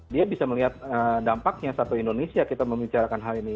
dia bisa melihat dampaknya satu indonesia kita membicarakan hal ini